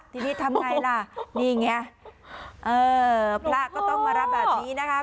ทีนี้ทำไงล่ะนี่ไงเออพระก็ต้องมารับแบบนี้นะคะ